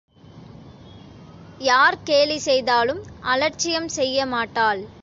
யார் கேலி செய்தாலும் அலட்சியம் செய்யமாட்டாள்.